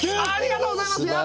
ありがとうございます。